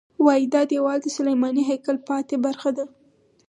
وایي دا دیوال د سلیماني هیکل پاتې برخه ده.